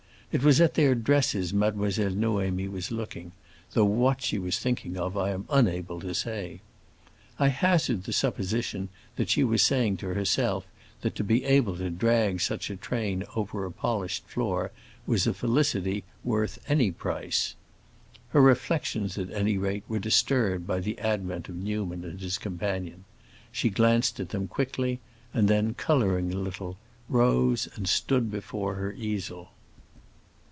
It was at their dresses Mademoiselle Noémie was looking, though what she was thinking of I am unable to say. I hazard the supposition that she was saying to herself that to be able to drag such a train over a polished floor was a felicity worth any price. Her reflections, at any rate, were disturbed by the advent of Newman and his companion. She glanced at them quickly, and then, coloring a little, rose and stood before her easel.